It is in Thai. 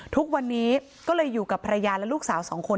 ทุกวันนี้ก็เลยอยู่กับภรรยาและลูกสาวสองคน